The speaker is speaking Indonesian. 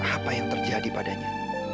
apa yang terjadi padanya